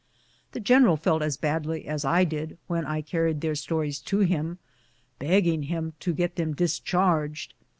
The general felt as badly as I did when I carried their stories to him, begging him to get them discharged.